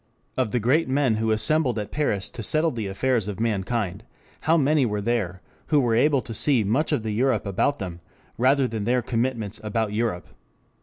Of the great men who assembled at Paris to settle the affairs of mankind, how many were there who were able to see much of the Europe about them, rather than their commitments about Europe?